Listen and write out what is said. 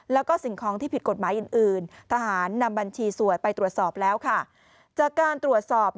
และสิ่งคล้องที่ผิดกฎหมายอื่นทหารนำบัญชีสวยไปตรวจสอบแล้ว